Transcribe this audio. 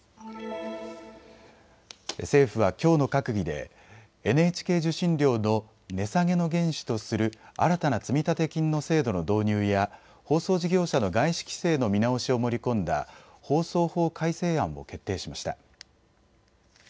政府はきょうの閣議でＮＨＫ受信料の値下げの原資とする新たな積立金の制度の導入や放送事業者の外資規制の見直しを盛り込んだ放送法改正案を決定しました。